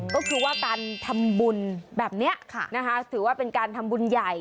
ก็คือว่าการทำบุญแบบนี้นะคะถือว่าเป็นการทำบุญใหญ่